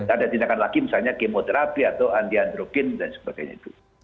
ada tindakan lagi misalnya kemoterapi atau anti androkin dan sebagainya itu